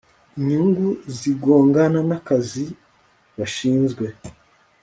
inyungu zigongana n akazi bashinzwe